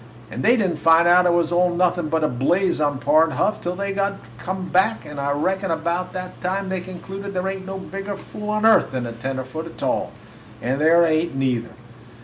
And they did n't find out it was all nothin' but a blaze on Pard Huff till after they 'd come back. I reckon about that time they concluded there ain't no bigger fool on earth than a tenderfoot, a tall. And there ain't, neither.